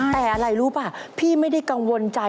แต่อะไรรู้ป่ะพี่ไม่ได้กังวลใจ